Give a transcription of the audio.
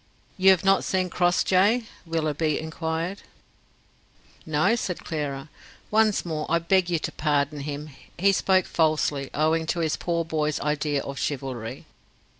"You have not seen Crossjay?" Willoughby inquired. "No," said Clara. "Once more I beg you to pardon him. He spoke falsely, owing to his poor boy's idea of chivalry."